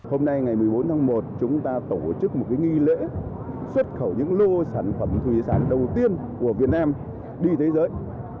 hôm nay ngày một mươi bốn tháng một chúng ta tổ chức một nghi lễ xuất khẩu những lô sản phẩm thủy sản đầu tiên của việt nam đi thế giới